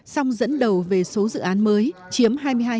song dẫn đầu về số dự án mới chiếm hai mươi hai một mươi bảy